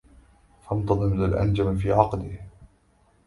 فانتظمَ الأنجمَ في عِقدِهِ